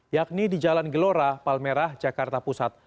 yakni di jalan gelora palmerah jakarta pusat